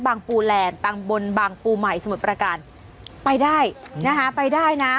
บางปูแหลนต่างบนบางปูใหม่สมุดประการไปได้นะฮะไปได้น่ะ